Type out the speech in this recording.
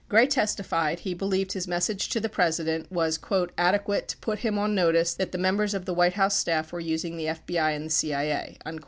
40 Gray testified he believed his message to the President was "ade quate to put him on notice that the members of the White House staff were using the FBI and the CIA."